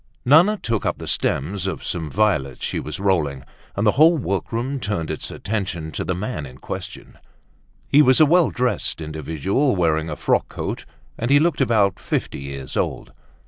Nana took up the stems of some violets she was rolling, and the whole workroom turned its attention to the man in question. He was a well dressed individual wearing a frock coat and he looked about fifty years old.